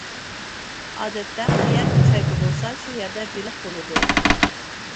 ئادەتتە قەيەردە چايكا بولسا شۇ يەردە بېلىق بولىدۇ.